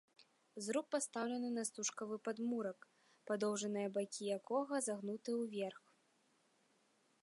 Зруб пастаўлены на стужкавы падмурак, падоўжныя бакі якога загнуты ўверх.